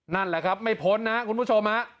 นั่นแหละครับไม่พ้นนะคุณผู้ชมฮะ